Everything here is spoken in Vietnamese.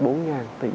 bốn ngàn tỷ